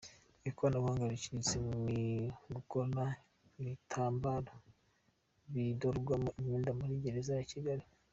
Ikoranabuhanga riciriritse mu gukora ibitambaro bidodwamo imyenda muri gereza ya Kigali